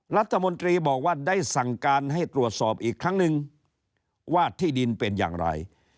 รัฐมนตรีบอกว่าได้สั่งการให้ตรวจสอบอีกครั้งนึงว่าที่ดินเป็นอย่างไร